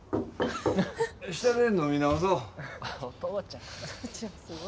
下で飲み直そ。